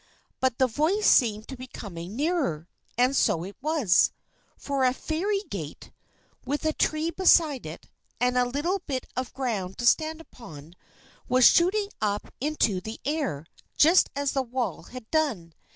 But the voice seemed to be coming nearer. And so it was, for a fairy gate, with a tree beside it, and a little bit of ground to stand upon, was shooting up into the air just as the wall had done.